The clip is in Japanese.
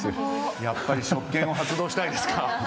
やっぱり職権を発動したいですか？